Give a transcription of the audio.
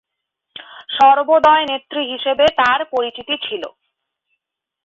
সর্বোদয় নেত্রী হিসেবে তার পরিচিতি ছিল।